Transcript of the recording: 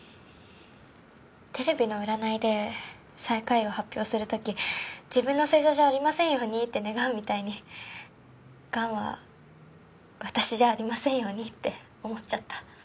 テレビの占いで最下位を発表する時自分の星座じゃありませんようにって願うみたいに癌は私じゃありませんようにって思っちゃった。